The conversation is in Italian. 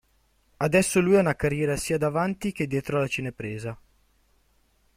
Adesso lui ha una carriera sia davanti che dietro la cinepresa.